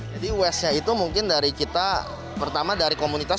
jadi west nya itu mungkin dari kita pertama dari komunikasi